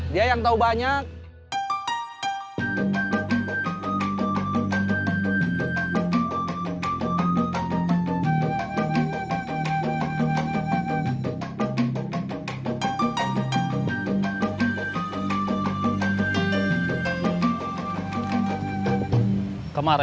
dia yang tahu banyak